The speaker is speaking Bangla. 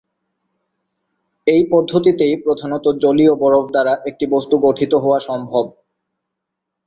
এই পদ্ধতিতেই প্রধানত জলীয় বরফ দ্বারা একটি বস্তু গঠিত হওয়া সম্ভব।